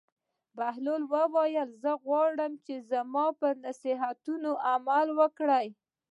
بهلول وویل: زه غواړم چې زما پر نصیحتونو عمل وکړې.